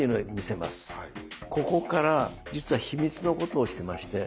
ここから実は秘密のことをしてまして。